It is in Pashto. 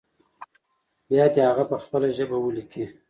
بيا دې هغه په خپله ژبه ولیکي.